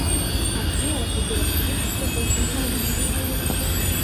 Абзиарақәагьы рацәаны изыҟауҵахьанеи…